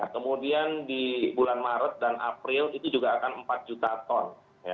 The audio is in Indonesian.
kemudian di bulan maret dan april itu juga akan empat juta ton